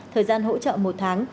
thời gian hỗ trợ một tháng